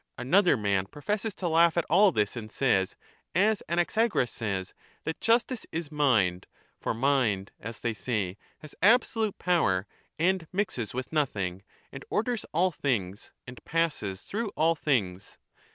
Another man professes to laugh at all this, and says, as Anaxagoras says, that justice is mind, for mind, as they say, has absolute power, and mixes with nothing, and orders all things, and passes through all things.